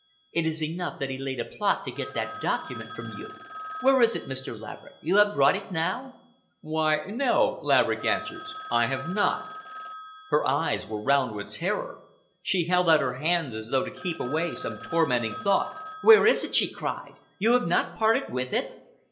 It is enough that he laid a plot to get that document from you. Where is it, Mr. Laverick? You have brought it now?" "Why, no," Laverick answered, "I have not." Her eyes were round with terror. She held out her hands as though to keep away some tormenting thought. "Where is it?" she cried. "You have not parted with it?